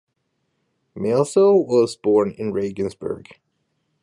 Maelzel was born in Regensburg.